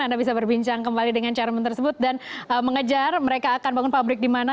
anda bisa berbincang kembali dengan chairman tersebut dan mengejar mereka akan bangun pabrik di mana